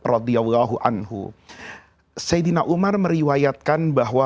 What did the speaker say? sayyidina umar meriwayatkan bahwa